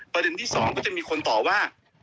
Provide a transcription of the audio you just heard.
ประเด็นที่๒ก็จะมีคนตอบว่า